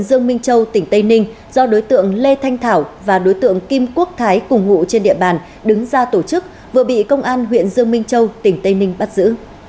dương minh châu tỉnh tây ninh do đối tượng lê thanh thảo và đối tượng kim quốc thái cùng ngụ trên địa bàn đứng ra tổ chức vừa bị công an huyện dương minh châu tỉnh tây ninh bắt giữ